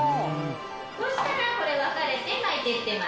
そうしたらこれ分かれて巻いてってます。